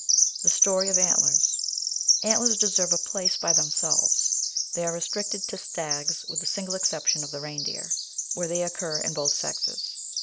The Story of Antlers Antlers deserve a place by themselves. They are restricted to stags with the single exception of the Reindeer, where they occur in both sexes.